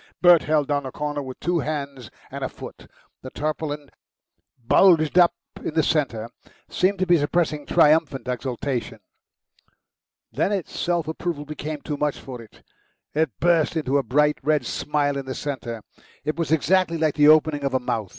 Bert held down a corner with two hands and a foot. The tarpaulin, bulged up in the centre, seemed to be suppressing triumphant exultation. Then its self approval became too much for it; it burst into a bright red smile in the centre. It was exactly like the opening of a mouth.